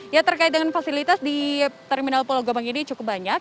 ya terkait dengan fasilitas di terminal pulau gebang ini cukup banyak